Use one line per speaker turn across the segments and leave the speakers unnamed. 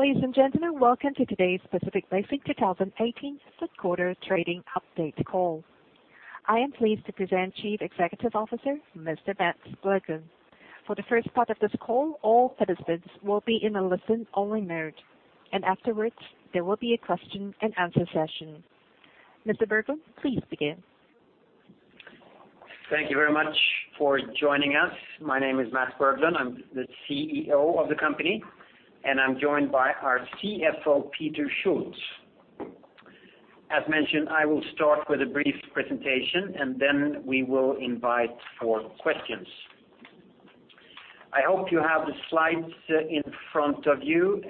Ladies and gentlemen, welcome to today's Pacific Basin 2018 third quarter trading update call. I am pleased to present Chief Executive Officer, Mr. Mats Berglund. For the first part of this call, all participants will be in a listen-only mode. Afterwards, there will be a question-and-answer session. Mr. Berglund, please begin.
Thank you very much for joining us. My name is Mats Berglund. I'm the CEO of the company. I'm joined by our CFO, Peter Schulz. As mentioned, I will start with a brief presentation. Then we will invite for questions. I hope you have the slides in front of you,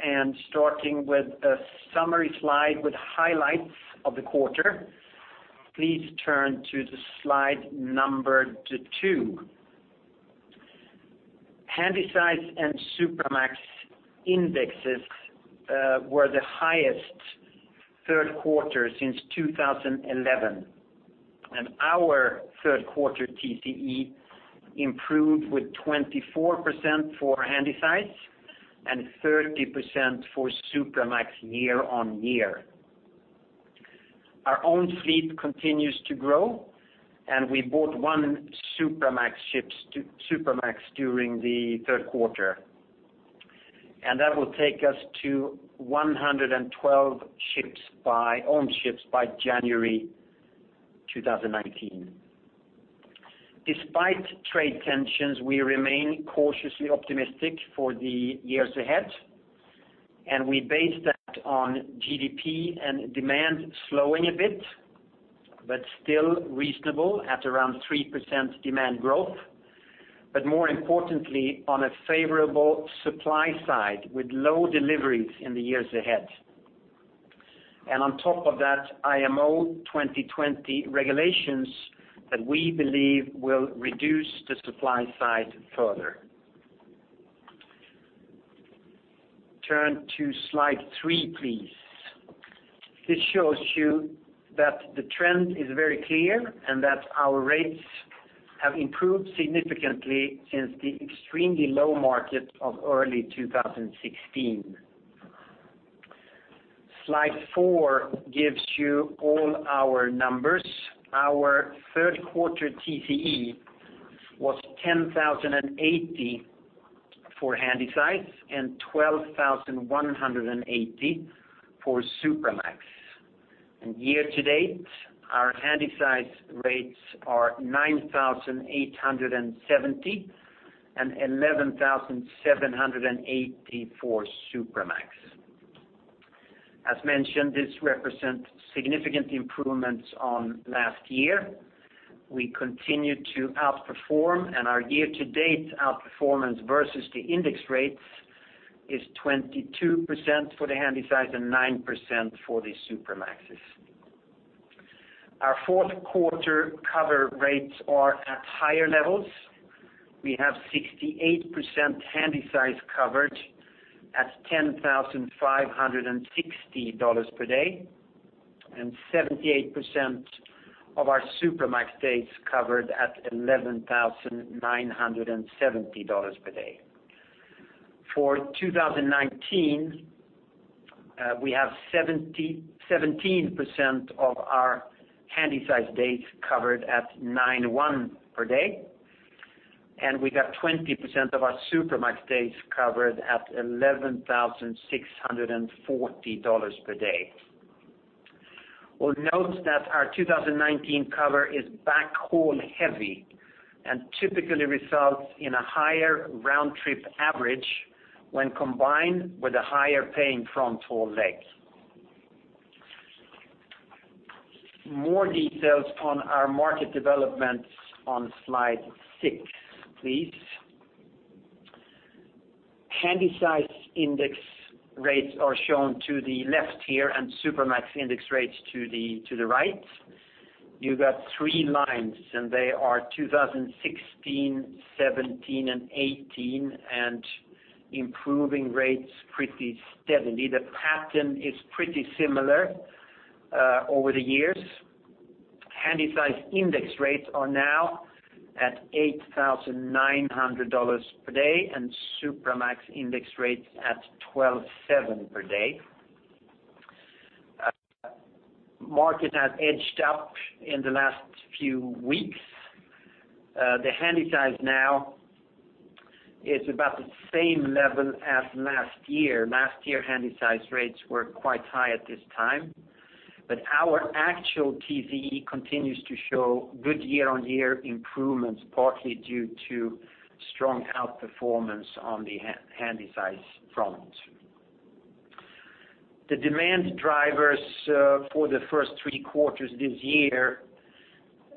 starting with a summary slide with highlights of the quarter. Please turn to slide number two. Handysize and Supramax indexes were the highest third quarter since 2011. Our third quarter TCE improved with 24% for Handysize and 30% for Supramax year-on-year. Our own fleet continues to grow. We bought one Supramax during the third quarter. That will take us to 112 owned ships by January 2019. Despite trade tensions, we remain cautiously optimistic for the years ahead. We base that on GDP and demand slowing a bit, still reasonable at around 3% demand growth, more importantly, on a favorable supply side with low deliveries in the years ahead. On top of that, IMO 2020 regulations that we believe will reduce the supply side further. Turn to slide three, please. This shows you that the trend is very clear that our rates have improved significantly since the extremely low market of early 2016. Slide four gives you all our numbers. Our third quarter TCE was $10,080 for Handysize and $12,180 for Supramax. Year-to-date, our Handysize rates are $9,870 and $11,780 for Supramax. As mentioned, this represents significant improvements on last year. We continue to outperform. Our year-to-date outperformance versus the index rates is 22% for the Handysize and 9% for the Supramaxes. Our fourth quarter cover rates are at higher levels. We have 68% Handysize covered at $10,560 per day and 78% of our Supramax days covered at $11,970 per day. For 2019, we have 17% of our Handysize days covered at $9,100 per day. We got 20% of our Supramax days covered at $11,640 per day. We'll note that our 2019 cover is backhaul heavy and typically results in a higher round trip average when combined with a higher paying fronthaul leg. More details on our market developments on slide six please. Handysize index rates are shown to the left here. Supramax index rates to the right. You got three lines. They are 2016, 2017, and 2018, improving rates pretty steadily. The pattern is pretty similar over the years. Handysize index rates are now at $8,900 per day and Supramax index rates at $12,700 per day. Market has edged up in the last few weeks. The Handysize now is about the same level as last year. Last year, Handysize rates were quite high at this time, but our actual TCE continues to show good year-on-year improvements, partly due to strong outperformance on the Handysize front. The demand drivers for the first three quarters this year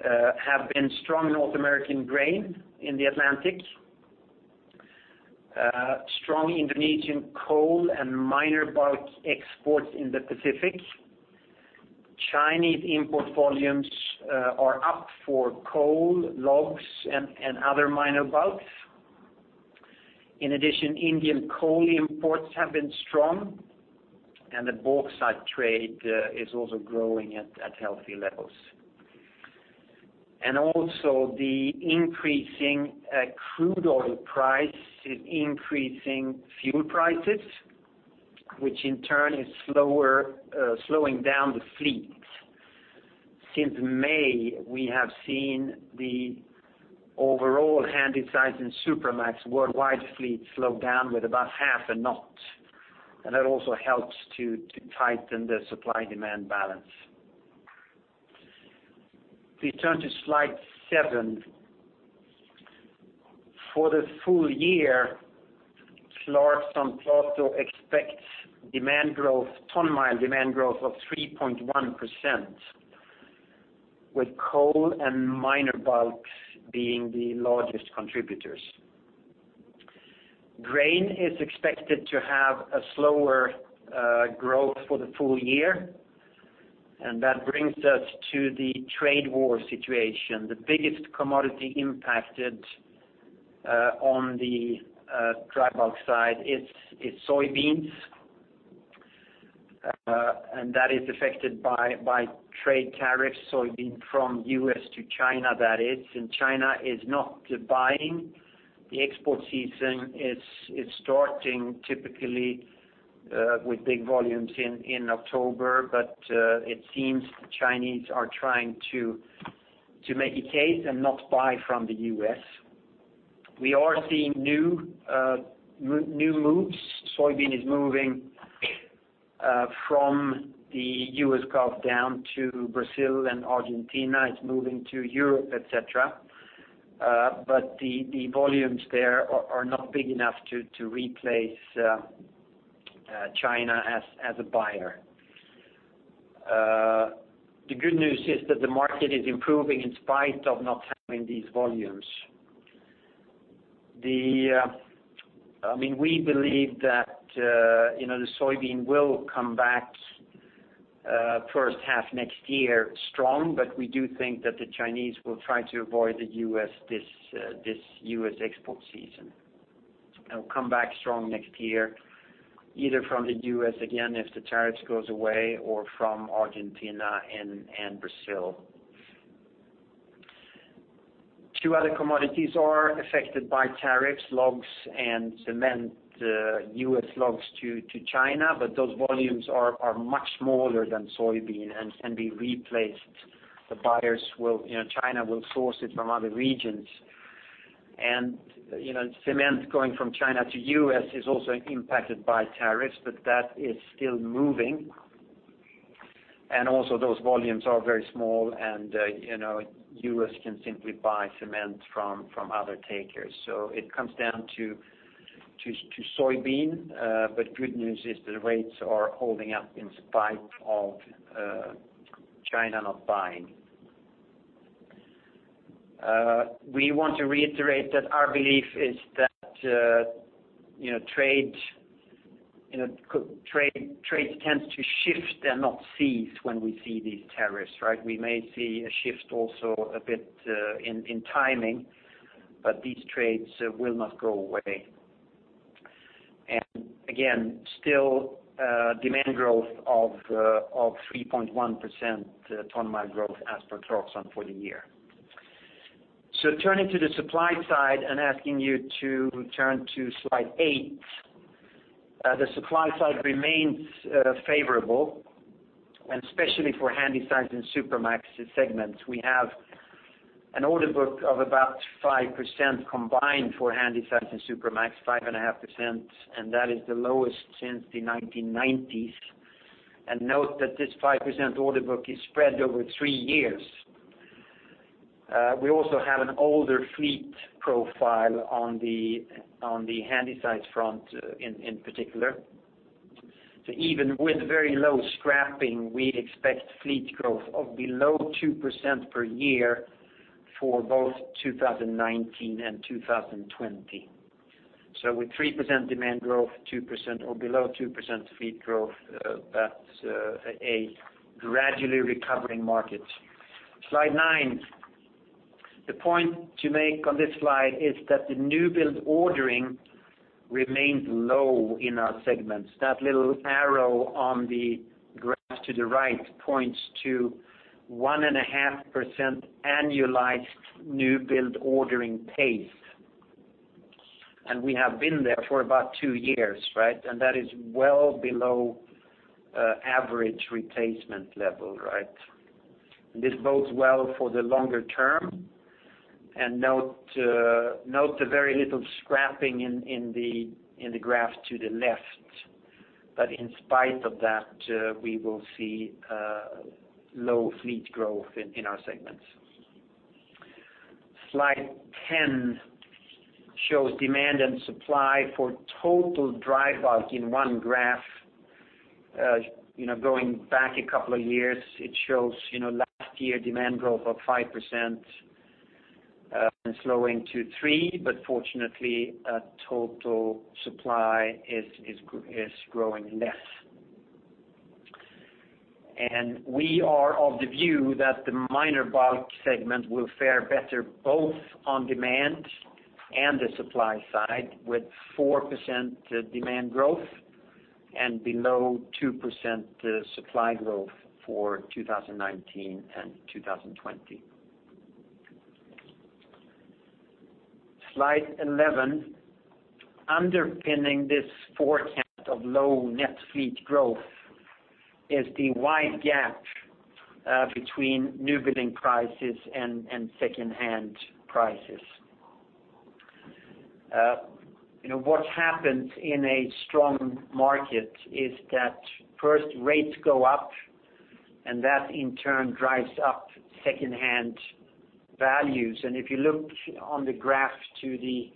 have been strong North American grain in the Atlantic, strong Indonesian coal and minor bulk exports in the Pacific. Chinese import volumes are up for coal, logs, and other minor bulk. In addition, Indian coal imports have been strong, and the bauxite trade is also growing at healthy levels. Also the increasing crude oil price is increasing fuel prices, which in turn is slowing down the fleet. Since May, we have seen the overall Handysize and Supramax worldwide fleet slow down with about half a knot. That also helps to tighten the supply-demand balance. If we turn to slide seven. For the full year, Clarksons Platou expects ton-mile demand growth of 3.1%, with coal and minor bulks being the largest contributors. Grain is expected to have a slower growth for the full year, that brings us to the trade war situation. The biggest commodity impacted on the dry bulk side is soybeans, that is affected by trade tariffs, soybean from U.S. to China that is. China is not buying. The export season is starting typically with big volumes in October, it seems the Chinese are trying to make a case and not buy from the U.S. We are seeing new moves. Soybean is moving from the U.S. Gulf down to Brazil and Argentina. It's moving to Europe, et cetera. The volumes there are not big enough to replace China as a buyer. The good news is that the market is improving in spite of not having these volumes. We believe that the soybean will come back first half next year strong, we do think that the Chinese will try to avoid the U.S. this export season. It will come back strong next year, either from the U.S. again, if the tariffs goes away, or from Argentina and Brazil. Two other commodities are affected by tariffs, logs and cement, U.S. logs to China, those volumes are much smaller than soybean and can be replaced. China will source it from other regions. Cement going from China to U.S. is also impacted by tariffs, that is still moving. Also those volumes are very small and U.S. can simply buy cement from other takers. It comes down to soybean, good news is the rates are holding up in spite of China not buying. We want to reiterate that our belief is that trades tend to shift and not cease when we see these tariffs. We may see a shift also a bit in timing, these trades will not go away. Again, still demand growth of 3.1% ton-mile growth as per Clarksons for the year. Turning to the supply side and asking you to turn to slide eight. The supply side remains favorable, especially for Handysize and Supramax segments. We have an order book of about 5% combined for Handysize and Supramax, 5.5%, that is the lowest since the 1990s. Note that this 5% order book is spread over three years. We also have an older fleet profile on the Handysize front in particular. Even with very low scrapping, we expect fleet growth of below 2% per year for both 2019 and 2020. With 3% demand growth, below 2% fleet growth, that's a gradually recovering market. Slide nine. The point to make on this slide is that the newbuilding ordering remains low in our segments. That little arrow on the graph to the right points to 1.5% annualized newbuilding ordering pace. We have been there for about two years. That is well below average replacement level. This bodes well for the longer term. Note the very little scrapping in the graph to the left. In spite of that, we will see low fleet growth in our segments. Slide 10 shows demand and supply for total dry bulk in one graph going back a couple of years. It shows last year demand growth of 5% and slowing to 3%, fortunately, total supply is growing less. We are of the view that the minor bulk segment will fare better both on demand and the supply side with 4% demand growth below 2% supply growth for 2019 and 2020. Slide 11. Underpinning this forecast of low net fleet growth is the wide gap between newbuilding prices and secondhand prices. What happens in a strong market is that first rates go up, that in turn drives up secondhand values. If you look on the graph to the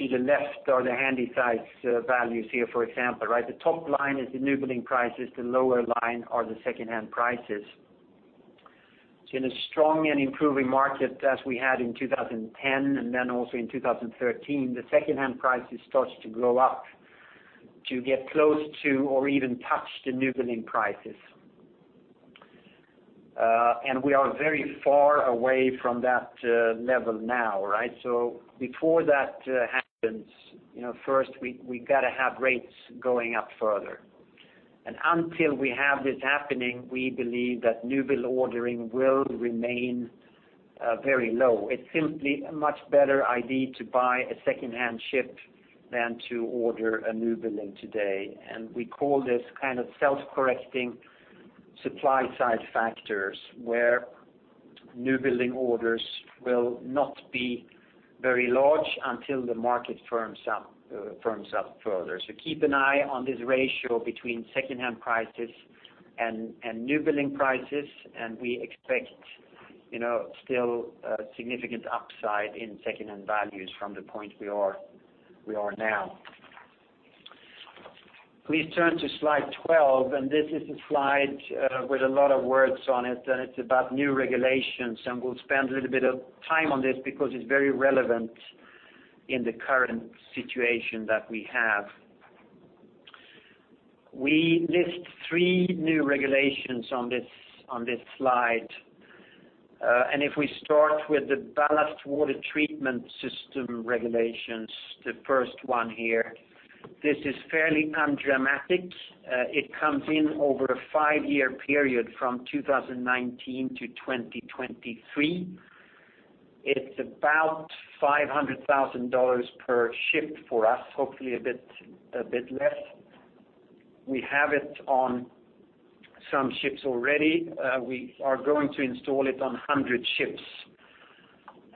left are the Handysize values here, for example. The top line is the newbuilding prices, the lower line are the secondhand prices. In a strong and improving market as we had in 2010 and also in 2013, the secondhand prices starts to go up to get close to or even touch the newbuilding prices. We are very far away from that level now. Before that happens, first we got to have rates going up further. Until we have this happening, we believe that newbuilding ordering will remain very low. It's simply a much better idea to buy a secondhand ship than to order a newbuilding today. We call this kind of self-correcting supply-side factors, where newbuilding orders will not be very large until the market firms up further. Keep an eye on this ratio between secondhand prices and newbuilding prices, and we expect still a significant upside in secondhand values from the point we are now. Please turn to slide 12. This is a slide with a lot of words on it's about new regulations, we'll spend a little bit of time on this because it's very relevant in the current situation that we have. We list three new regulations on this slide. If we start with the ballast water treatment system regulations, the first one here, this is fairly undramatic. It comes in over a five-year period from 2019 to 2023. It's about $500,000 per ship for us, hopefully a bit less. We have it on some ships already. We are going to install it on 100 ships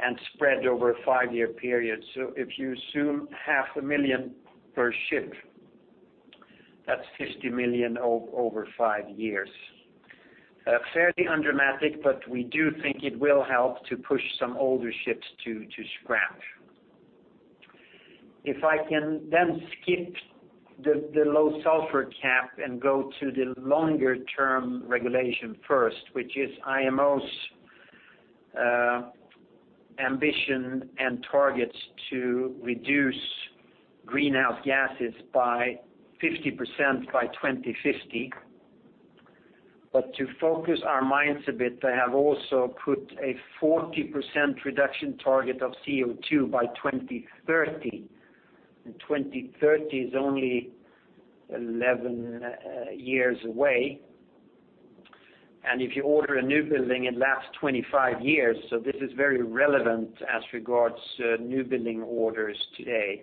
and spread over a 5-year period. If you assume half a million per ship, that is $50 million over 5 years. Fairly undramatic, but we do think it will help to push some older ships to scrap. If I can skip the low sulfur cap and go to the longer-term regulation first, which is IMO's ambition and targets to reduce greenhouse gases by 50% by 2050. To focus our minds a bit, they have also put a 40% reduction target of CO2 by 2030. 2030 is only 11 years away. If you order a newbuilding, it lasts 25 years, this is very relevant as regards newbuilding orders today,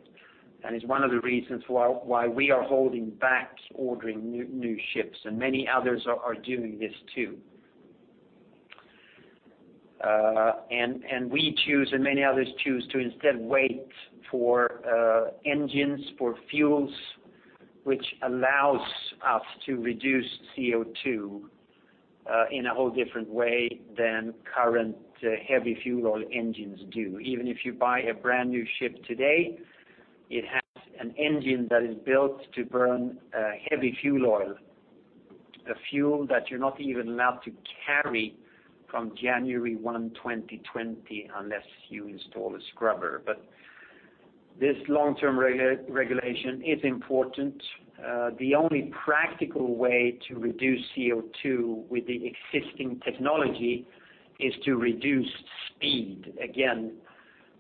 and is one of the reasons why we are holding back ordering new ships, many others are doing this, too. We choose, many others choose to instead wait for engines, for fuels, which allows us to reduce CO2 in a whole different way than current heavy fuel oil engines do. Even if you buy a brand-new ship today, it has an engine that is built to burn heavy fuel oil, a fuel that you are not even allowed to carry from January 1, 2020, unless you install a scrubber. This long-term regulation is important. The only practical way to reduce CO2 with the existing technology is to reduce speed. Again,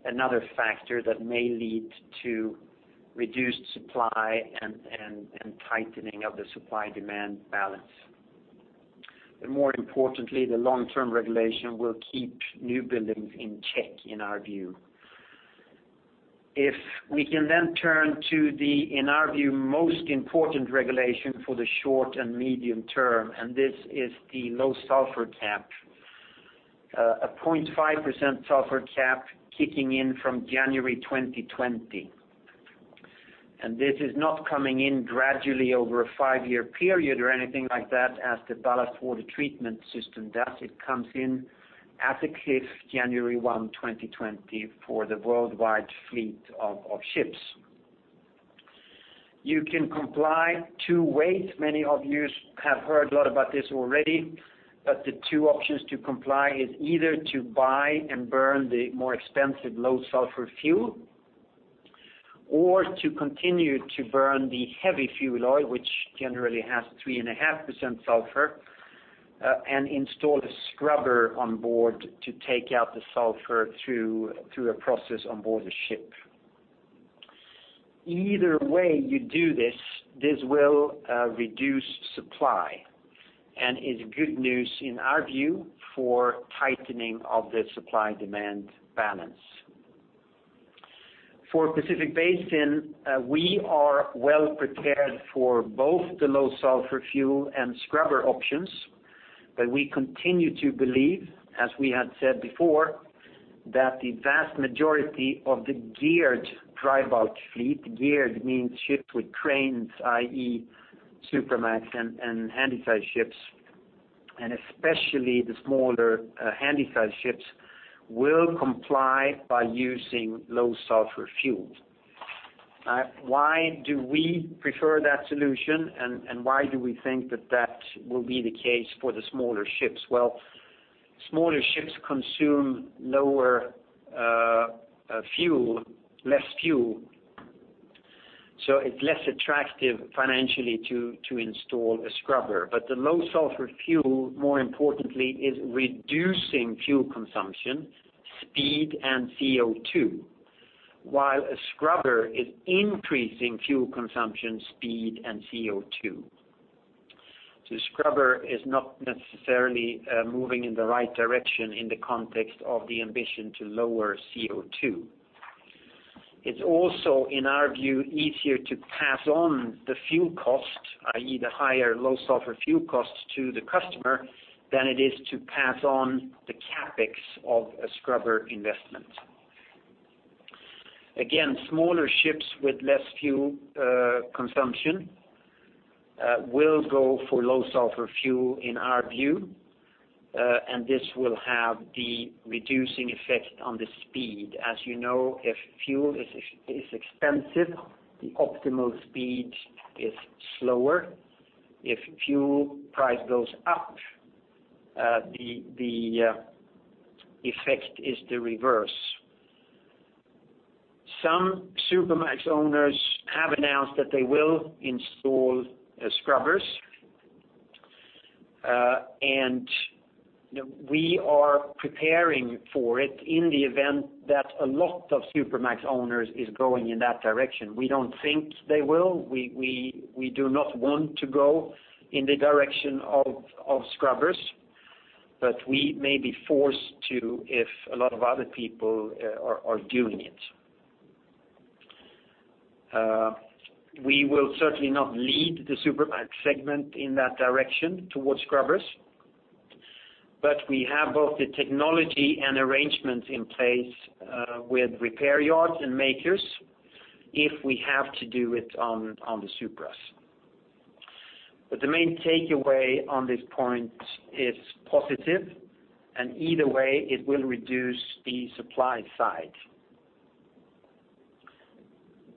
another factor that may lead to reduced supply and tightening of the supply-demand balance. More importantly, the long-term regulation will keep newbuildings in check, in our view. If we can turn to the, in our view, most important regulation for the short and medium term, this is the low sulfur cap. A 0.5% sulfur cap kicking in from January 2020. This is not coming in gradually over a 5-year period or anything like that as the ballast water treatment system does. It comes in at the cliff, January 1, 2020, for the worldwide fleet of ships. You can comply two ways. Many of you have heard a lot about this already, but the two options to comply is either to buy and burn the more expensive low sulfur fuel or to continue to burn the heavy fuel oil, which generally has 3.5% sulfur. Install a scrubber on board to take out the sulfur through a process on board the ship. Either way you do this will reduce supply and is good news, in our view, for tightening of the supply-demand balance. For Pacific Basin, we are well prepared for both the low sulfur fuel and scrubber options. We continue to believe, as we had said before, that the vast majority of the geared drybulk fleet, geared means ships with cranes, i.e., Supramax and Handysize ships, and especially the smaller Handysize ships, will comply by using low sulfur fuel. Why do we prefer that solution, why do we think that that will be the case for the smaller ships? Well, smaller ships consume less fuel, it is less attractive financially to install a scrubber. The low sulfur fuel, more importantly, is reducing fuel consumption, speed, and CO2, while a scrubber is increasing fuel consumption, speed, and CO2. A scrubber is not necessarily moving in the right direction in the context of the ambition to lower CO2. It is also, in our view, easier to pass on the fuel cost, i.e., the higher low sulfur fuel costs to the customer, than it is to pass on the CapEx of a scrubber investment. Again, smaller ships with less fuel consumption will go for low sulfur fuel in our view, and this will have the reducing effect on the speed. As you know, if fuel is expensive, the optimal speed is slower. If fuel price goes up, the effect is the reverse. Some Supramax owners have announced that they will install scrubbers. We are preparing for it in the event that a lot of Supramax owners is going in that direction. We do not think they will. We do not want to go in the direction of scrubbers, but we may be forced to if a lot of other people are doing it. We will certainly not lead the Supramax segment in that direction towards scrubbers. But we have both the technology and arrangements in place with repair yards and makers if we have to do it on the Supras. But the main takeaway on this point is positive, and either way, it will reduce the supply side.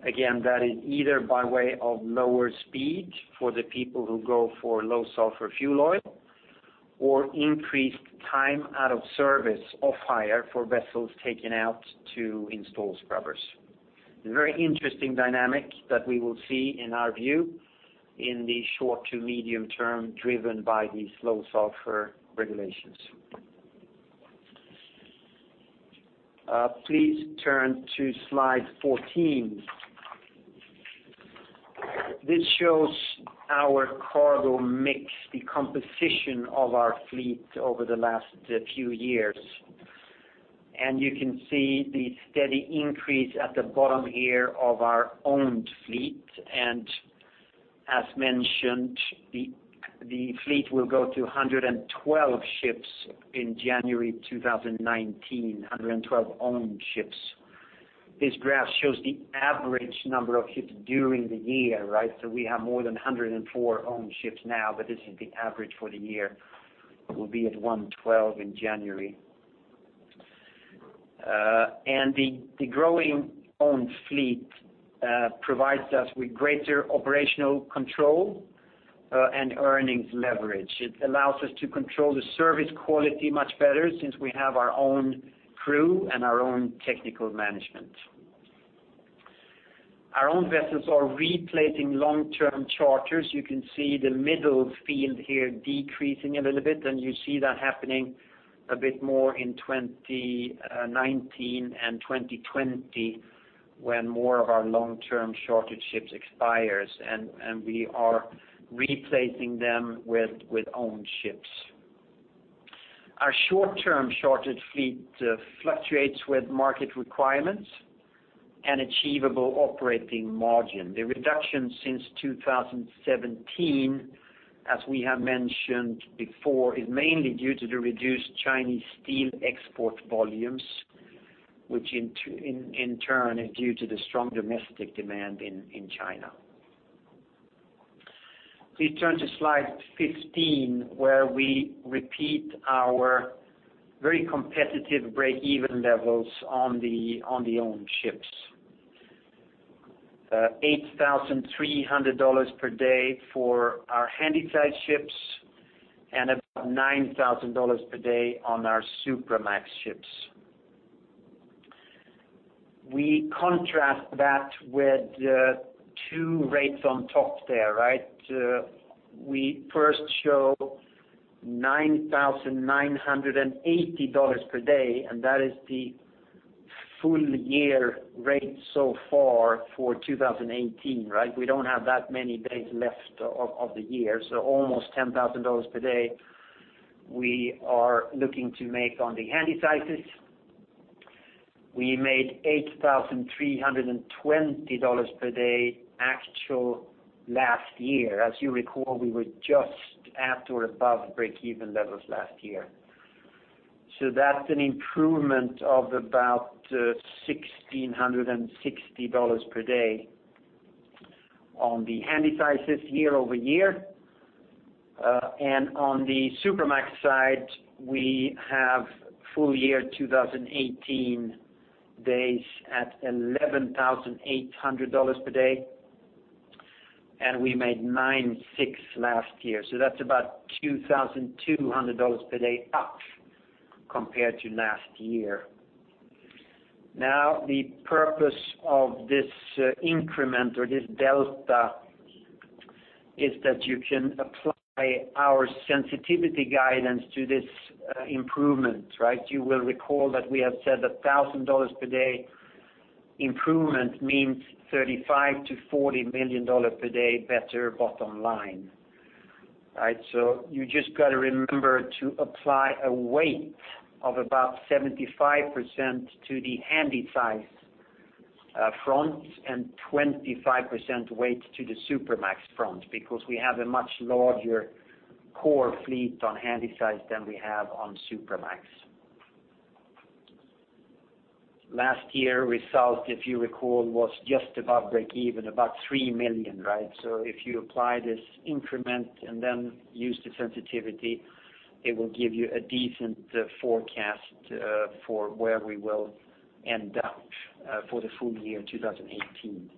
Again, that is either by way of lower speed for the people who go for low sulfur fuel oil or increased time out of service off hire for vessels taken out to install scrubbers. A very interesting dynamic that we will see in our view in the short to medium term, driven by these low sulfur regulations. Please turn to slide 14. This shows our cargo mix, the composition of our fleet over the last few years. You can see the steady increase at the bottom here of our owned fleet. As mentioned, the fleet will go to 112 ships in January 2019, 112 owned ships. This graph shows the average number of ships during the year. So we have more than 104 owned ships now, but this is the average for the year, will be at 112 in January. The growing owned fleet provides us with greater operational control and earnings leverage. It allows us to control the service quality much better since we have our own crew and our own technical management. Our own vessels are replacing long-term charters. You can see the middle field here decreasing a little bit, and you see that happening a bit more in 2019 and 2020 when more of our long-term chartered ships expires, and we are replacing them with own ships. Our short-term chartered fleet fluctuates with market requirements and achievable operating margin. The reduction since 2017, as we have mentioned before, is mainly due to the reduced Chinese steel export volumes, which in turn is due to the strong domestic demand in China. Please turn to slide 15, where we repeat our very competitive breakeven levels on the owned ships. $8,300 per day for our Handysize ships and about $9,000 per day on our Supramax ships. We contrast that with the two rates on top there. We first show $9,980 per day, and that is the full year rate so far for 2018. Almost $10,000 per day we are looking to make on the Handysizes. We made $8,320 per day actual last year. As you recall, we were just at or above break-even levels last year. That's an improvement of about $1,660 per day on the Handysizes year-over-year. On the Supramax side, we have full year 2018 days at $11,800 per day, and we made $96 last year. That's about $2,200 per day up compared to last year. The purpose of this increment or this delta is that you can apply our sensitivity guidance to this improvement. You will recall that we have said $1,000 per day improvement means $35 million-$40 million per day better bottom line. You just got to remember to apply a weight of about 75% to the Handysize front and 25% weight to the Supramax front, because we have a much larger core fleet on Handysize than we have on Supramax. Last year result, if you recall, was just above break-even, about $3 million. If you apply this increment and then use the sensitivity, it will give you a decent forecast for where we will end up for the full year 2018.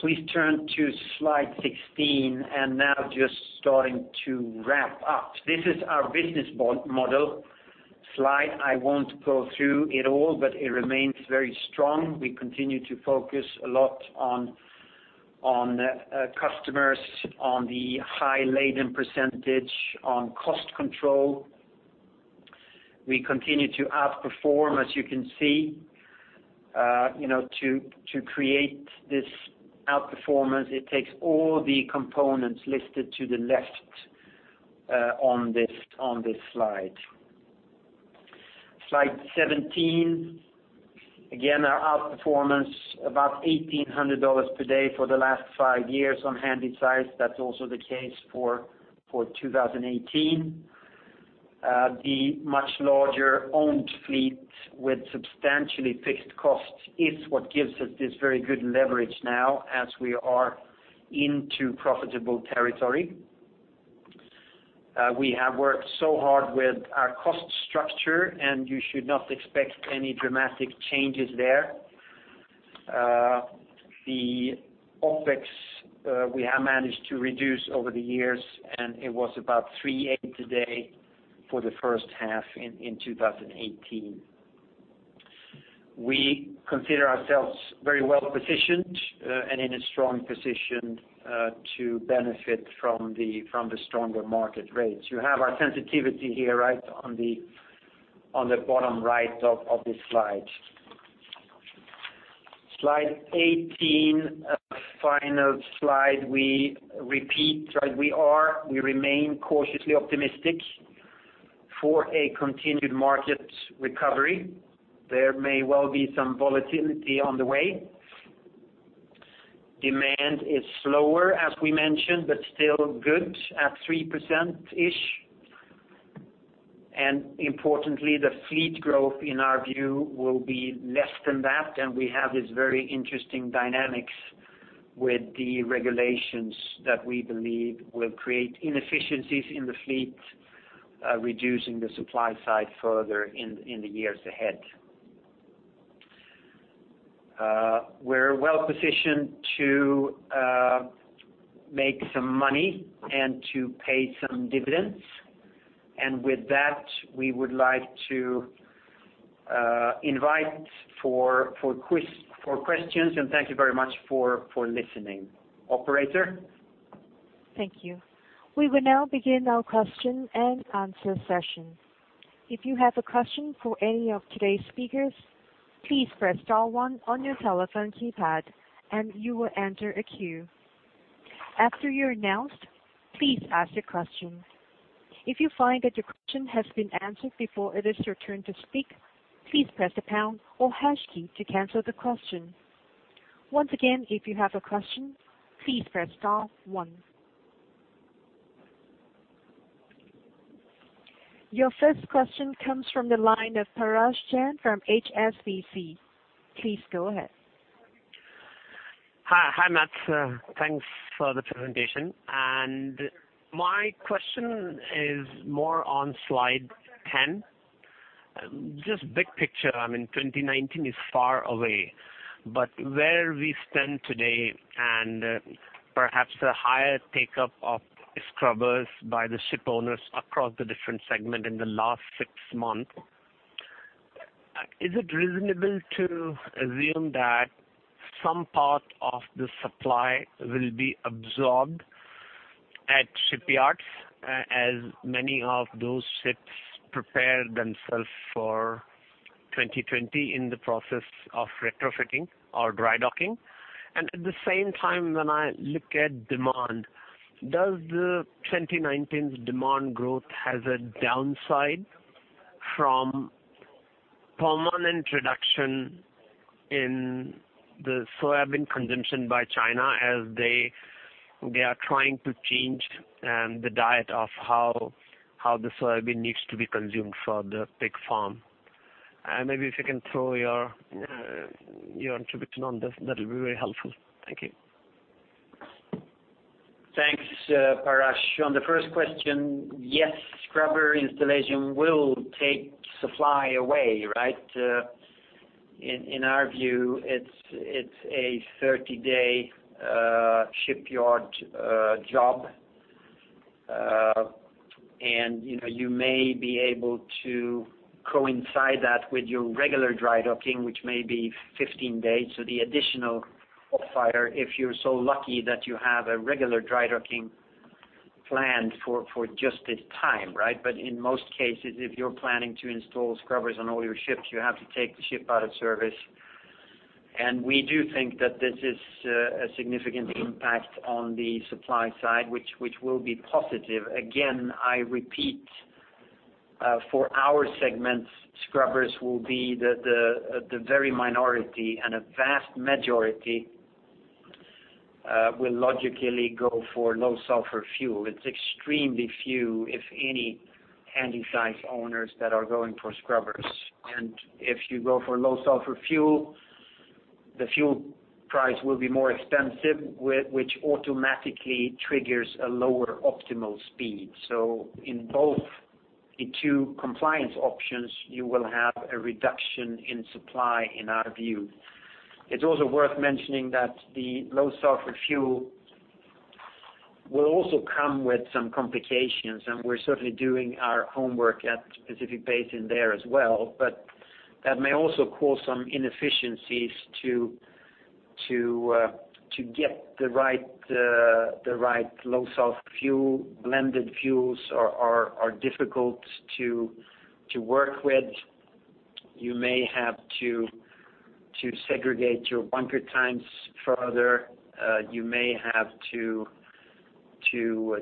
Please turn to slide sixteen, and now just starting to wrap up. This is our business model slide. I won't go through it all, but it remains very strong. We continue to focus a lot on customers, on the high laden percentage, on cost control. We continue to outperform, as you can see. To create this outperformance, it takes all the components listed to the left on this slide. Slide seventeen. Again, our outperformance about $1,800 per day for the last five years on Handysize. That's also the case for 2018. The much larger owned fleet with substantially fixed costs is what gives us this very good leverage now as we are into profitable territory. We have worked so hard with our cost structure, and you should not expect any dramatic changes there. The OpEx we have managed to reduce over the years, and it was about $3.8 today for the first half in 2018. We consider ourselves very well-positioned and in a strong position to benefit from the stronger market rates. You have our sensitivity here on the bottom right of this slide. Slide eighteen. A final slide. We repeat, we remain cautiously optimistic for a continued market recovery. There may well be some volatility on the way. Demand is slower, as we mentioned, but still good at 3%-ish. Importantly, the fleet growth, in our view, will be less than that. We have this very interesting dynamics with the regulations that we believe will create inefficiencies in the fleet, reducing the supply side further in the years ahead. We're well-positioned to make some money and to pay some dividends. With that, we would like to invite for questions, and thank you very much for listening. Operator?
Thank you. We will now begin our question-and-answer session. If you have a question for any of today's speakers, please press star one on your telephone keypad, and you will enter a queue. After you're announced, please ask your question. If you find that your question has been answered before it is your turn to speak, please press the pound or hash key to cancel the question. Once again, if you have a question, please press star one. Your first question comes from the line of Parash Jain from HSBC. Please go ahead.
Hi, Mats. Thanks for the presentation. My question is more on slide 10. Just big picture, I mean, 2019 is far away, but where we stand today and perhaps the higher take-up of scrubbers by the ship owners across the different segment in the last six months. Is it reasonable to assume that some part of the supply will be absorbed at shipyards, as many of those ships prepare themselves for 2020 in the process of retrofitting or dry docking? At the same time, when I look at demand, does the 2019 demand growth have a downside from permanent reduction in the soybean consumption by China as they are trying to change the diet of how the soybean needs to be consumed for the pig farm? Maybe if you can throw your contribution on this, that'll be very helpful. Thank you.
Thanks, Parash. On the first question, yes, scrubber installation will take supply away. In our view, it's a 30-day shipyard job. You may be able to coincide that with your regular dry docking, which may be 15 days, so the additional if you're so lucky that you have a regular dry docking planned for just this time. In most cases, if you're planning to install scrubbers on all your ships, you have to take the ship out of service. We do think that this is a significant impact on the supply side, which will be positive. Again, I repeat, for our segment, scrubbers will be the very minority and a vast majority will logically go for low sulfur fuel. It's extremely few, if any, Handysize owners that are going for scrubbers. If you go for low sulfur fuel, the fuel price will be more expensive, which automatically triggers a lower optimal speed. In both the two compliance options, you will have a reduction in supply in our view. It's also worth mentioning that the low sulfur fuel will also come with some complications, and we're certainly doing our homework at Pacific Basin there as well. That may also cause some inefficiencies to get the right low sulfur fuel. Blended fuels are difficult to work with. You may have to segregate your bunker tanks further. You may have to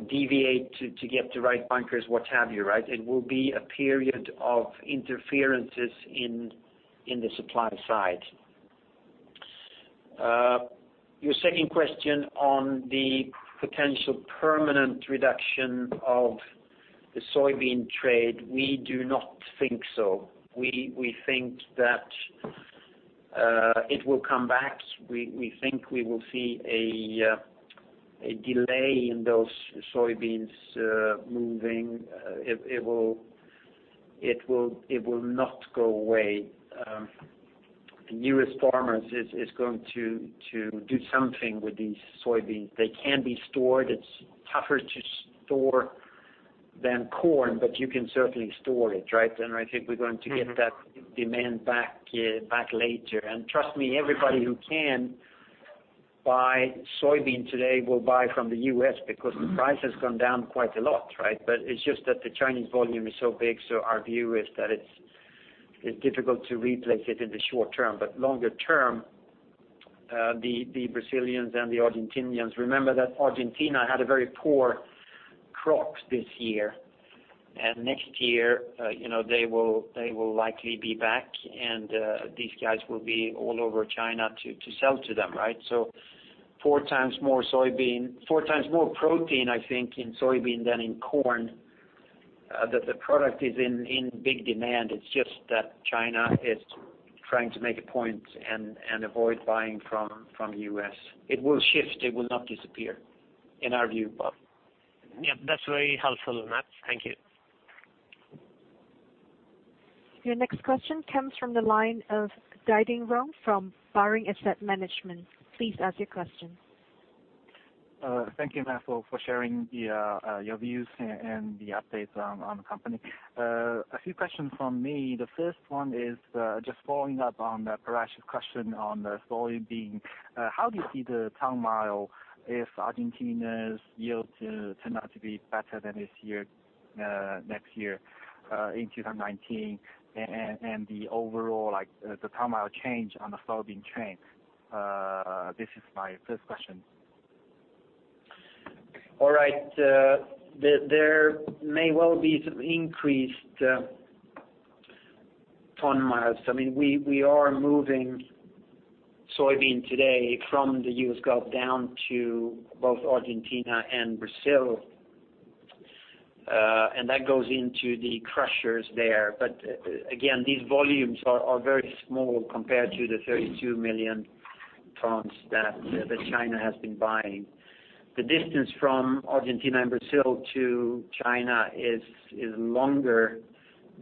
deviate to get the right bunkers, what have you. It will be a period of interferences in the supply side. Your second question on the potential permanent reduction of the soybean trade, we do not think so. We think that it will come back. We think we will see a delay in those soybeans moving. It will not go away. The U.S. farmers is going to do something with these soybeans. They can be stored. It's tougher to store than corn, but you can certainly store it. I think we're going to get that demand back later. Trust me, everybody who can buy soybean today will buy from the U.S. because the price has gone down quite a lot. It's just that the Chinese volume is so big, so our view is that it's difficult to replace it in the short term. Longer term, the Brazilians and the Argentinians, remember that Argentina had a very poor crops this year, and next year they will likely be back and these guys will be all over China to sell to them. Four times more protein, I think, in soybean than in corn. The product is in big demand. It's just that China is trying to make a point and avoid buying from U.S. It will shift, it will not disappear, in our view.
That's very helpful, Mats. Thank you.
Your next question comes from the line of Baiding Rong from Barings Asset Management. Please ask your question.
Thank you, Mats, for sharing your views and the updates on the company. A few questions from me. The first one is, just following up on Parash's question on the soybean, how do you see the ton-mile if Argentina's yield turn out to be better than this year, next year, in 2019, and the overall ton-mile change on the soybean trend? This is my first question.
All right. There may well be some increased ton-miles. We are moving soybean today from the U.S. Gulf down to both Argentina and Brazil. That goes into the crushers there. Again, these volumes are very small compared to the 32 million tons that China has been buying. The distance from Argentina and Brazil to China is longer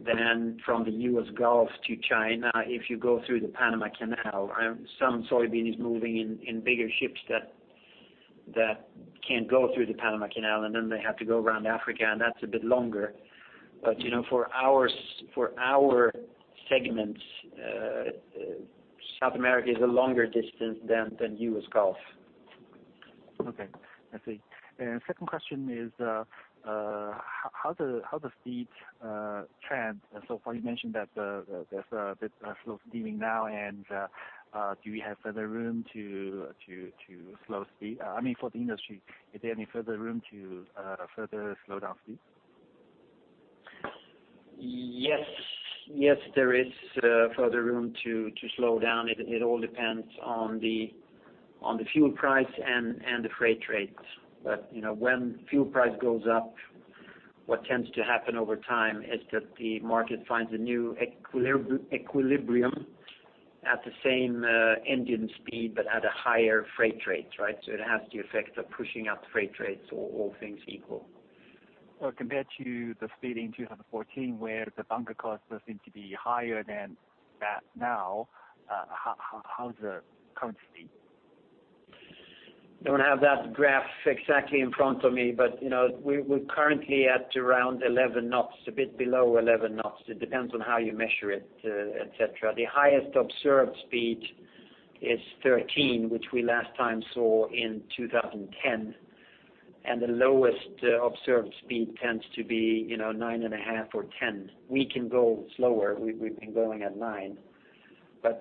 than from the U.S. Gulf to China if you go through the Panama Canal. Some soybean is moving in bigger ships that can't go through the Panama Canal, then they have to go around Africa, and that's a bit longer. For our segments, South America is a longer distance than U.S. Gulf.
Okay, I see. Second question is, how does the trend so far, you mentioned that there's a bit of slow steaming now and do we have further room to slow speed? I mean, for the industry, is there any further room to further slow down speed?
Yes. There is further room to slow down. It all depends on the fuel price and the freight rates. When fuel price goes up, what tends to happen over time is that the market finds a new equilibrium at the same engine speed but at a higher freight rate, right? It has the effect of pushing up freight rates or all things equal.
Compared to the speed in 2014 where the bunker costs were seem to be higher than that now, how is the current speed?
Don't have that graph exactly in front of me, we're currently at around 11 knots, a bit below 11 knots. It depends on how you measure it, et cetera. The highest observed speed is 13, which we last time saw in 2010. The lowest observed speed tends to be nine and a half or 10. We can go slower. We've been going at nine.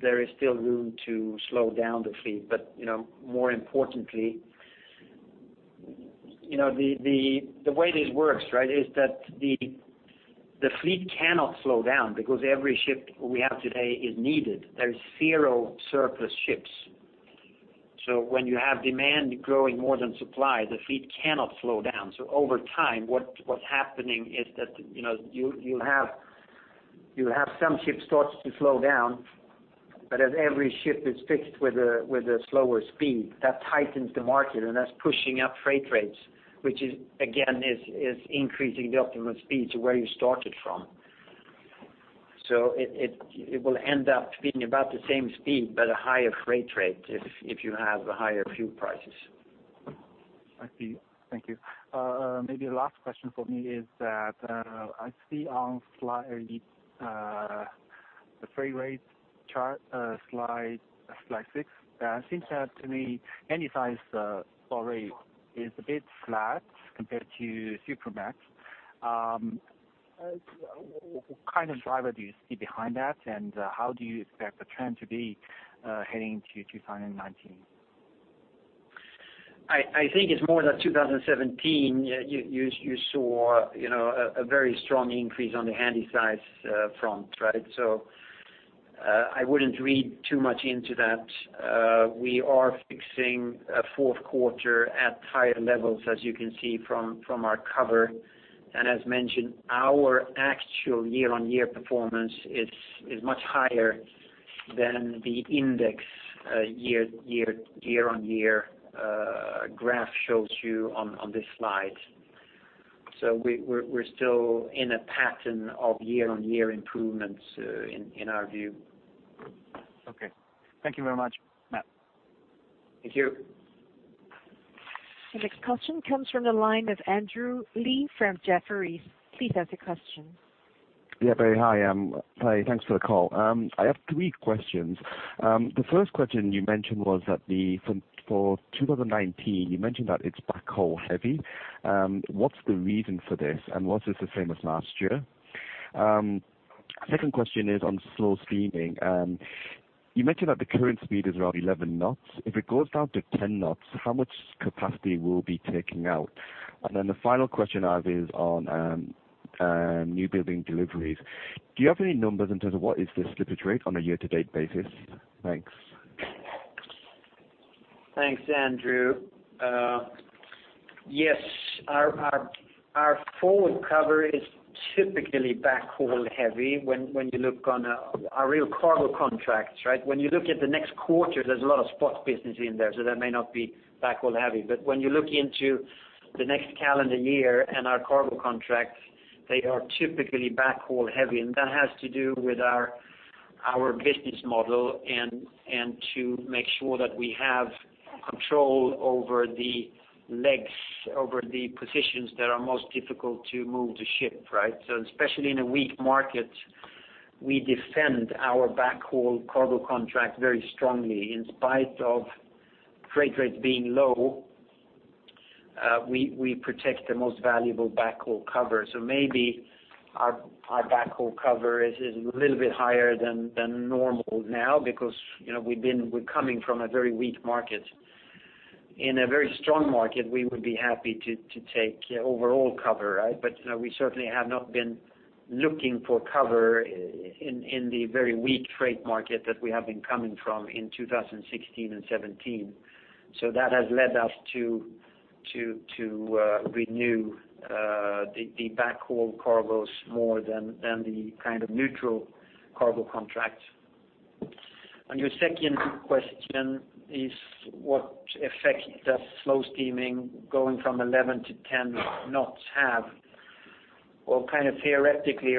There is still room to slow down the fleet. More importantly, the way this works is that the fleet cannot slow down because every ship we have today is needed. There is zero surplus ships. When you have demand growing more than supply, the fleet cannot slow down. Over time, what's happening is that you have some ships starts to slow down, as every ship is fixed with a slower speed, that tightens the market and that's pushing up freight rates, which is again, is increasing the optimal speed to where you started from. It will end up being about the same speed a higher freight rate if you have higher fuel prices.
I see. Thank you. Maybe the last question for me is that, I see on the freight rate chart, slide six, it seems that to me, Handysize rate is a bit flat compared to Supramax. What kind of driver do you see behind that and how do you expect the trend to be heading into 2019?
I think it's more that 2017, you saw a very strong increase on the Handysize front, right? I wouldn't read too much into that. We are fixing a fourth quarter at higher levels, as you can see from our cover. As mentioned, our actual year-on-year performance is much higher than the index year-on-year graph shows you on this slide. We're still in a pattern of year-on-year improvements in our view.
Okay. Thank you very much.
Thank you.
The next question comes from the line of Andrew Lee from Jefferies. Please ask a question.
Yeah, very. Hi, thanks for the call. I have three questions. The first question you mentioned was that for 2019, you mentioned that it's backhaul heavy. What's the reason for this and was this the same as last year? Second question is on slow steaming. You mentioned that the current speed is around 11 knots. If it goes down to 10 knots, how much capacity will be taken out? The final question I have is on newbuilding deliveries. Do you have any numbers in terms of what is the slippage rate on a year to date basis? Thanks.
Thanks, Andrew. Yes, our forward cover is typically backhaul heavy when you look on a real cargo contract, right? When you look at the next quarter, there's a lot of spot business in there, so that may not be backhaul heavy. When you look into the next calendar year and our cargo contracts, they are typically backhaul heavy and that has to do with our business model and to make sure that we have control over the legs, over the positions that are most difficult to move the ship, right? Especially in a weak market, we defend our backhaul cargo contract very strongly. In spite of freight rates being low, we protect the most valuable backhaul cover. Maybe our backhaul cover is a little bit higher than normal now because we're coming from a very weak market. In a very strong market, we would be happy to take overall cover, right? We certainly have not been looking for cover in the very weak freight market that we have been coming from in 2016 and '17. That has led us to renew the backhaul cargoes more than the kind of neutral cargo contract. On your second question is what effect does slow steaming going from 11 to 10 knots have Well, kind of theoretically,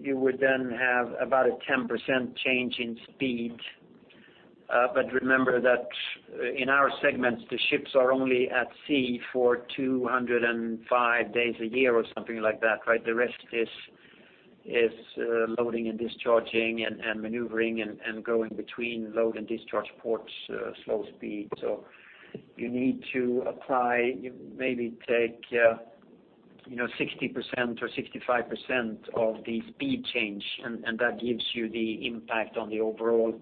you would then have about a 10% change in speed. Remember that in our segments, the ships are only at sea for 205 days a year or something like that. The rest is loading and discharging and maneuvering and going between load and discharge ports, slow speed. You need to apply, maybe take 60% or 65% of the speed change, and that gives you the impact on the overall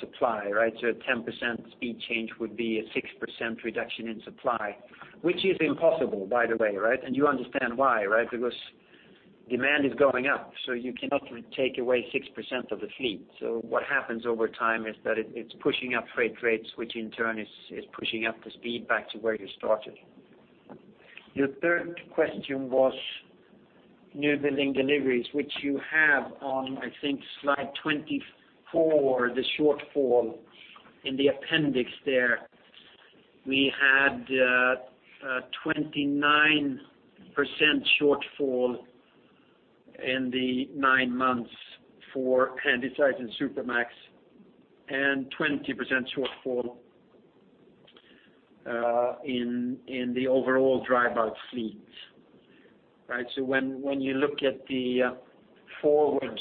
supply. A 10% speed change would be a 6% reduction in supply, which is impossible, by the way. You understand why. Demand is going up, so you cannot take away 6% of the fleet. What happens over time is that it's pushing up freight rates, which in turn is pushing up the speed back to where you started. Your third question was newbuilding deliveries, which you have on, I think, slide 24, the shortfall in the appendix there. We had a 29% shortfall in the nine months for Handysize and Supramax and 20% shortfall in the overall dry bulk fleet. When you look at the forward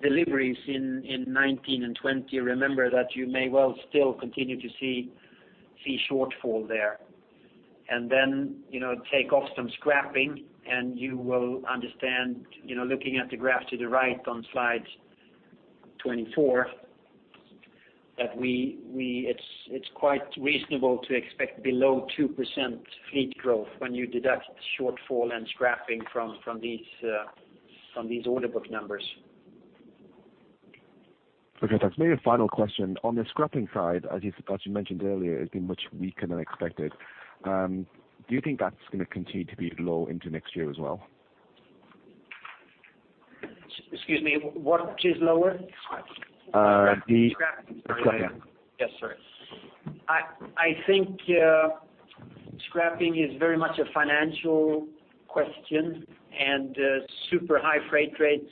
deliveries in '19 and '20, remember that you may well still continue to see shortfall there. Take off some scrapping and you will understand, looking at the graph to the right on slide 24, that it's quite reasonable to expect below 2% fleet growth when you deduct shortfall and scrapping from these order book numbers.
Okay. Thanks. Maybe a final question. On the scrapping side, as you mentioned earlier, has been much weaker than expected. Do you think that's going to continue to be low into next year as well?
Excuse me, what is lower?
The scrapping.
Scrapping.
Yeah.
Yes, sir. I think scrapping is very much a financial question. Super high freight rates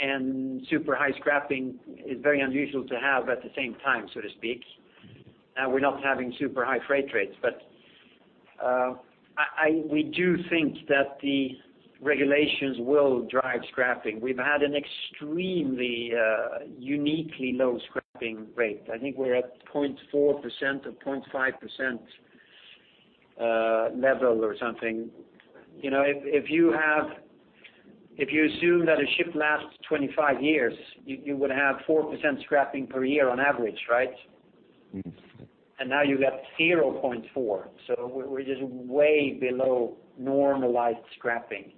and super high scrapping is very unusual to have at the same time, so to speak. We're not having super high freight rates. We do think that the regulations will drive scrapping. We've had an extremely uniquely low scrapping rate. I think we're at 0.4% or 0.5% level or something. If you assume that a ship lasts 25 years, you would have 4% scrapping per year on average, right? Now you got 0.4. We're just way below normalized scrapping.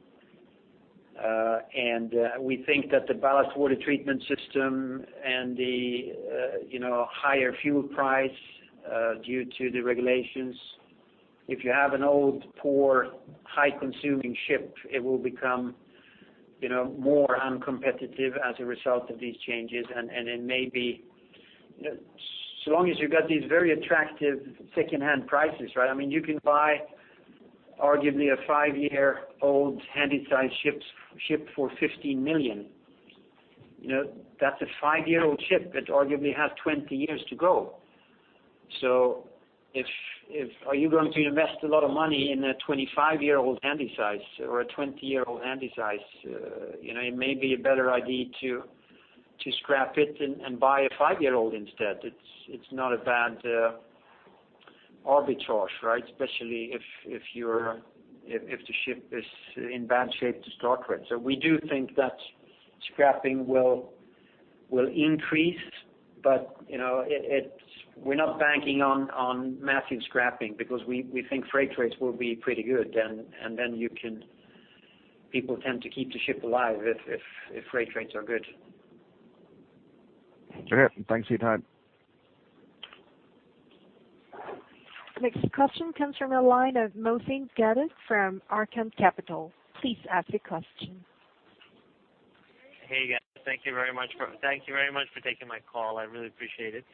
We think that the ballast water treatment system and the higher fuel price due to the regulations, if you have an old, poor, high-consuming ship, it will become more uncompetitive as a result of these changes. Long as you've got these very attractive secondhand prices, you can buy arguably a five-year-old Handysize ship for $15 million. That's a five-year-old ship that arguably has 20 years to go. Are you going to invest a lot of money in a 25-year-old Handysize or a 20-year-old Handysize? It may be a better idea to scrap it and buy a five-year-old instead. It's not a bad arbitrage. Especially if the ship is in bad shape to start with. We do think that scrapping will increase. We're not banking on massive scrapping because we think freight rates will be pretty good. People tend to keep the ship alive if freight rates are good.
Okay. Thanks for your time.
Next question comes from the line of Mohsin Gaddar from Arqaam Capital. Please ask your question.
Hey, guys. Thank you very much for taking my call. I really appreciate it.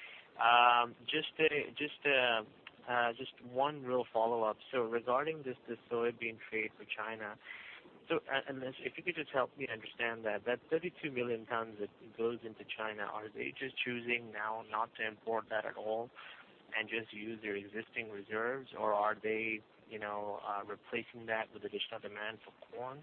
Just one real follow-up. Regarding this soybean trade for China, if you could just help me understand that 32 million tons that goes into China, are they just choosing now not to import that at all and just use their existing reserves, or are they replacing that with additional demand for corn?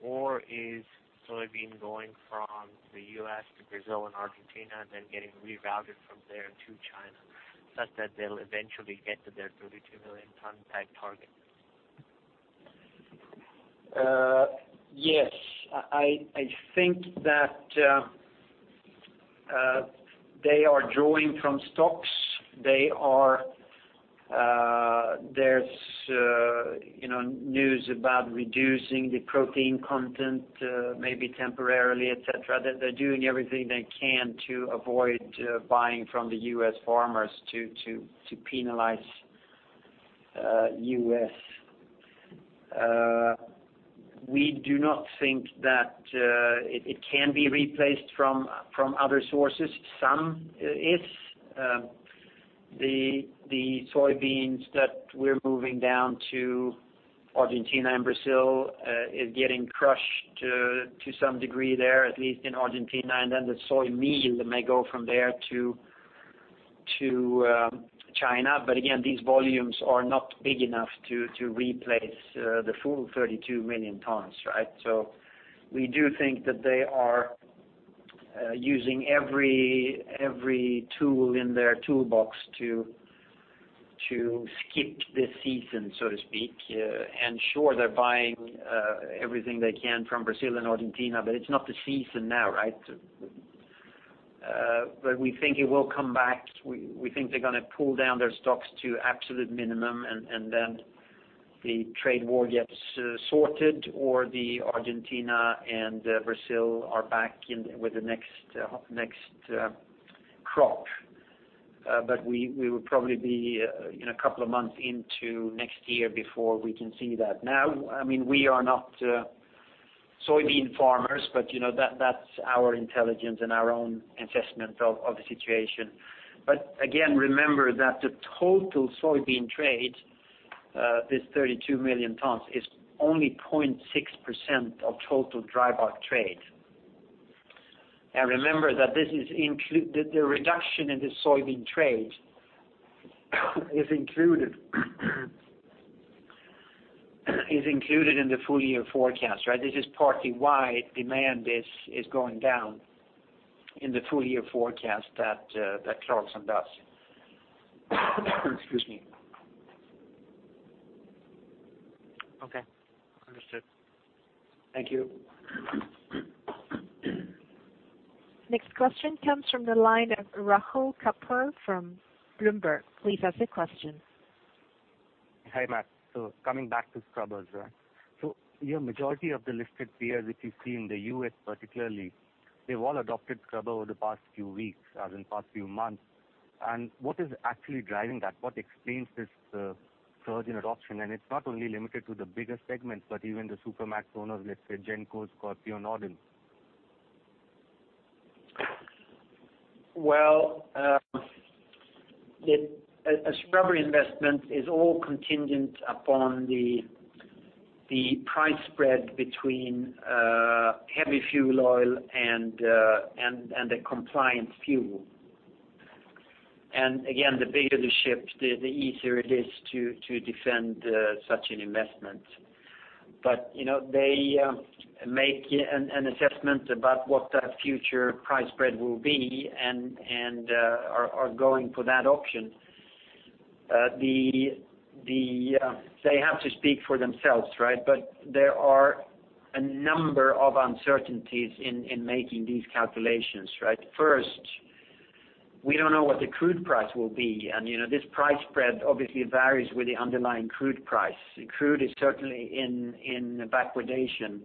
Or is soybean going from the U.S. to Brazil and Argentina and then getting rerouted from there to China such that they'll eventually get to their 32 million ton target?
Yes. I think that they are drawing from stocks. There's news about reducing the protein content, maybe temporarily, et cetera. They're doing everything they can to avoid buying from the U.S. farmers to penalize U.S. We do not think that it can be replaced from other sources. Some is. The soybeans that we're moving down to Argentina and Brazil is getting crushed to some degree there, at least in Argentina, and then the soy meal may go from there to China. Again, these volumes are not big enough to replace the full 32 million tons. We do think that they are using every tool in their toolbox to skip this season, so to speak. Sure, they're buying everything they can from Brazil and Argentina, but it's not the season now. We think it will come back. We think they're going to pull down their stocks to absolute minimum and then the trade war gets sorted, or the Argentina and Brazil are back in with the next crop. We will probably be in a couple of months into next year before we can see that. Now, we are not soybean farmers, but that's our intelligence and our own assessment of the situation. Again, remember that the total soybean trade, this 32 million tons, is only 0.6% of total dry bulk trade. Remember that the reduction in the soybean trade is included in the full-year forecast. This is partly why demand is going down in the full-year forecast that Clarksons does. Excuse me.
Okay. Understood. Thank you.
Next question comes from the line of Rahul Kapoor from Bloomberg. Please ask your question.
Hi, Mats. Coming back to scrubbers. Your majority of the listed peers, if you see in the U.S. particularly, they've all adopted scrubber over the past few weeks, as in past few months. What is actually driving that? What explains this surge in adoption? It's not only limited to the bigger segments, but even the Supramax owners, let's say Genco, Scorpio, Northern.
Well, a scrubber investment is all contingent upon the price spread between heavy fuel oil and the compliant fuel. Again, the bigger the ship, the easier it is to defend such an investment. They make an assessment about what that future price spread will be and are going for that option. They have to speak for themselves. There are a number of uncertainties in making these calculations. First, we don't know what the crude price will be, and this price spread obviously varies with the underlying crude price. Crude is certainly in backwardation.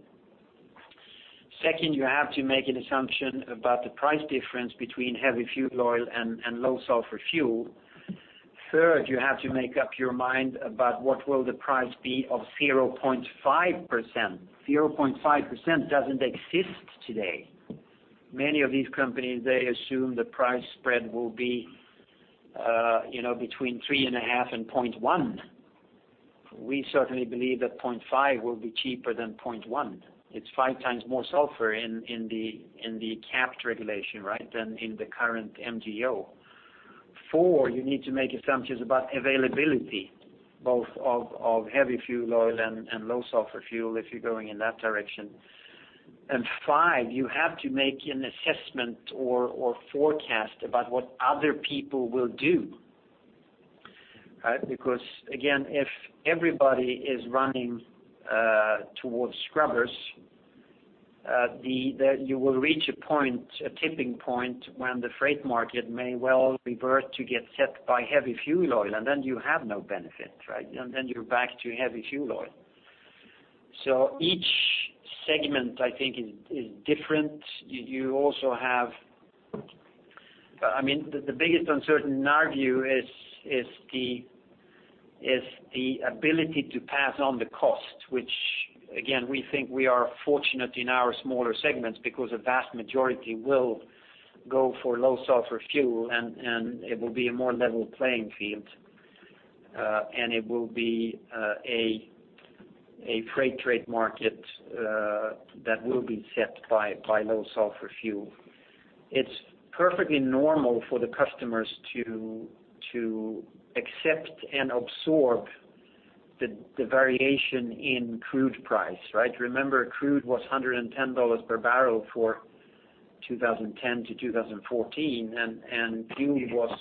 Second, you have to make an assumption about the price difference between heavy fuel oil and low sulfur fuel. Third, you have to make up your mind about what will the price be of 0.5%. 0.5% doesn't exist today. Many of these companies, they assume the price spread will be between three and a half and 0.1%. We certainly believe that 0.5% will be cheaper than 0.1%. It's five times more sulfur in the capped regulation than in the current MGO. Four, you need to make assumptions about availability, both of heavy fuel oil and low sulfur fuel if you're going in that direction. Five, you have to make an assessment or forecast about what other people will do. If everybody is running towards scrubbers, you will reach a tipping point when the freight market may well revert to get set by heavy fuel oil, then you have no benefit. Then you're back to heavy fuel oil. Each segment, I think is different. The biggest uncertain in our view is the ability to pass on the cost, which again, we think we are fortunate in our smaller segments because a vast majority will go for low sulfur fuel and it will be a more level playing field. It will be a freight trade market that will be set by low sulfur fuel. It's perfectly normal for the customers to accept and absorb the variation in crude price. Remember, crude was $110 per barrel for 2010 to 2014, fuel was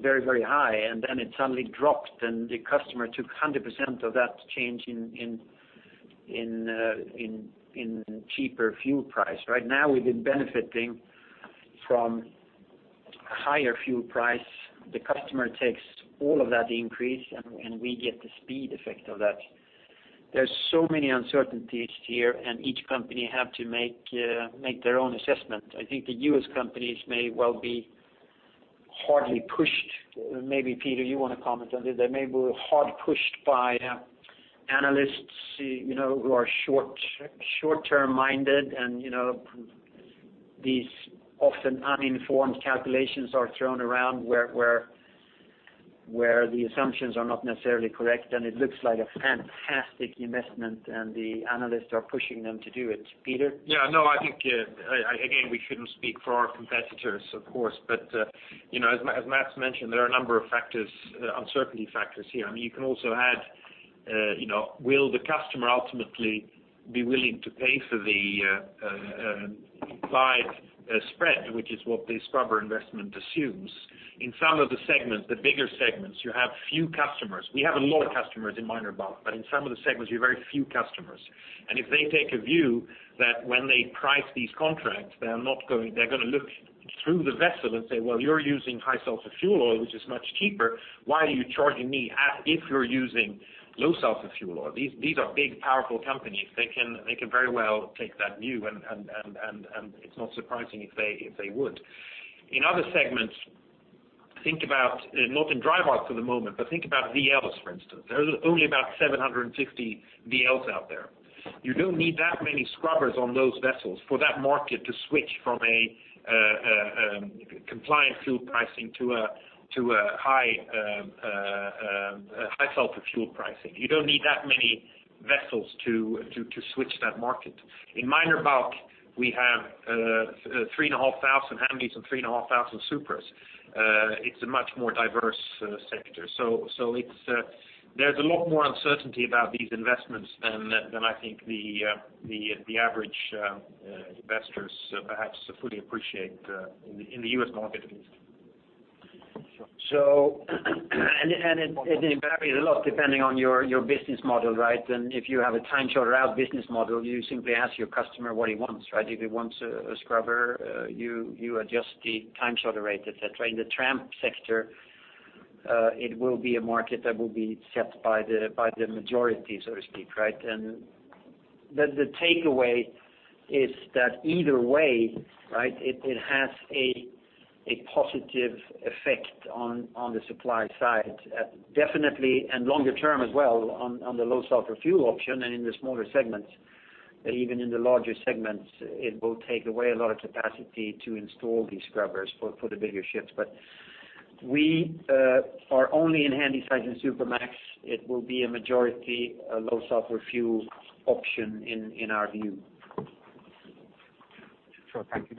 very high, then it suddenly dropped and the customer took 100% of that change in cheaper fuel price. Right now, we've been benefiting from a higher fuel price. The customer takes all of that increase and we get the speed effect of that. There's so many uncertainties here and each company have to make their own assessment. I think the U.S. companies may well be hard pushed. Maybe Peter, you want to comment on this. They may be hard pushed by analysts who are short-term minded. These often uninformed calculations are thrown around where the assumptions are not necessarily correct, it looks like a fantastic investment, the analysts are pushing them to do it. Peter?
Yeah, no, I think, again, we shouldn't speak for our competitors, of course. As Mats mentioned, there are a number of uncertainty factors here. You can also add, will the customer ultimately be willing to pay for the implied spread, which is what the scrubber investment assumes. In some of the segments, the bigger segments, you have few customers. We have a lot of customers in minor bulk, but in some of the segments, we have very few customers. If they take a view that when they price these contracts, they're going to look through the vessel and say, "Well, you're using high sulfur fuel oil, which is much cheaper. Why are you charging me as if you're using low sulfur fuel oil?" These are big, powerful companies. They can very well take that view, it's not surprising if they would. In other segments, not in dry bulk for the moment, but think about VLOCs, for instance. There's only about 750 VLOCs out there. You don't need that many scrubbers on those vessels for that market to switch from a compliant fuel pricing to a high sulfur fuel pricing. You don't need that many vessels to switch that market. In minor bulk, we have Handysize and 3,500 Supramax. It's a much more diverse sector. There's a lot more uncertainty about these investments than I think the average investors perhaps fully appreciate in the U.S. market, at least.
Sure. It varies a lot depending on your business model, right? If you have a time charter out business model, you simply ask your customer what he wants, right? If he wants a scrubber, you adjust the time charter rate, et cetera. In the tramp sector, it will be a market that will be set by the majority, so to speak, right? The takeaway is that either way, it has a positive effect on the supply side. Definitely, and longer term as well on the low sulfur fuel option and in the smaller segments, even in the larger segments, it will take away a lot of capacity to install these scrubbers for the bigger ships. We are only in Handysize and Supramax. It will be a majority low sulfur fuel option in our view.
Sure. Thank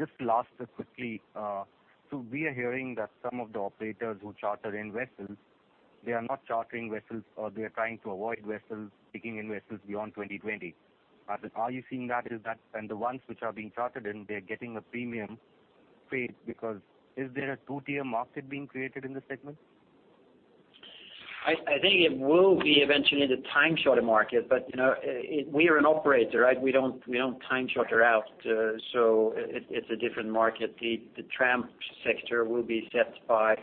you. Just lastly, quickly, we are hearing that some of the operators who charter in vessels, they are not chartering vessels, or they are trying to avoid taking in vessels beyond 2020. Are you seeing that? The ones which are being chartered in, they're getting a premium paid because is there a two-tier market being created in this segment?
I think it will be eventually the time charter market, we are an operator, we don't time charter out, it's a different market. The tramp sector will be set by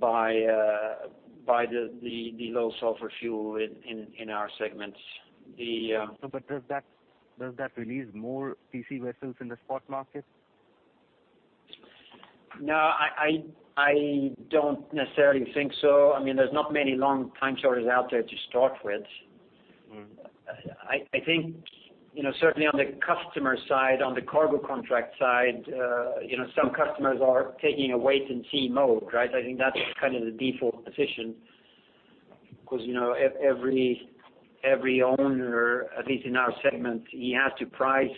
the low sulfur fuel in our segments.
Does that release more TC vessels in the spot market?
No, I don't necessarily think so. There's not many long time charters out there to start with. I think, certainly on the customer side, on the cargo contract side, some customers are taking a wait and see mode. I think that's kind of the default position because every owner, at least in our segment, he has to price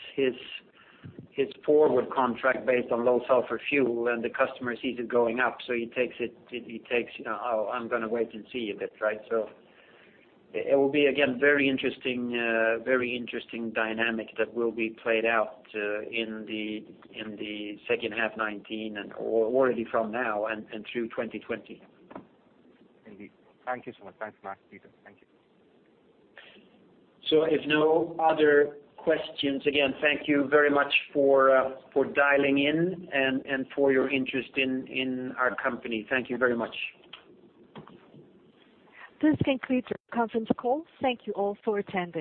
his forward contract based on low sulfur fuel, and the customer sees it going up, so he takes, "Oh, I'm going to wait and see a bit." It will be, again, very interesting dynamic that will be played out in the second half 2019 and already from now and through 2020.
Indeed. Thank you so much. Thanks, Mats, Peter. Thank you.
If no other questions, again, thank you very much for dialing in and for your interest in our company. Thank you very much.
This concludes our conference call. Thank you all for attending.